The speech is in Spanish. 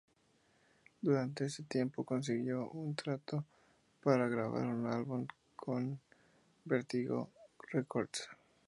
Durante ese tiempo consiguió un contrato para grabar un álbum con Vertigo Records.